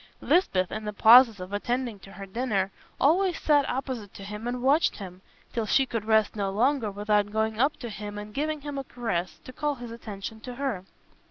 Lisbeth, in the pauses of attending to her dinner, always sat opposite to him and watched him, till she could rest no longer without going up to him and giving him a caress, to call his attention to her.